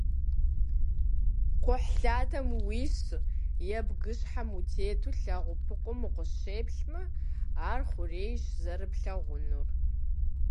Кхъухьлъатэм уису е бгыщхьэм утету лэгъупыкъум укъыщеплъмэ, ар хъурейуэщ зэрыплъэгъунур.